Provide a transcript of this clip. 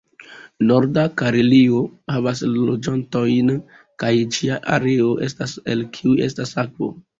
Norda Karelio havas loĝantojn kaj ĝia areo estas el kiu estas akvo.